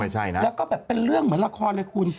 ใช่นะแล้วก็แบบเป็นเรื่องเหมือนละครเลยคุณ